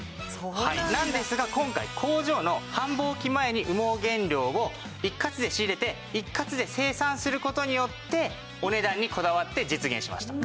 なのですが今回工場の繁忙期前に羽毛原料を一括で仕入れて一括で生産する事によってお値段にこだわって実現しました。